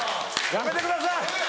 やめてください。